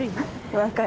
分かる。